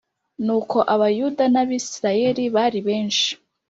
Nuko Abayuda n’Abisirayeli bari benshi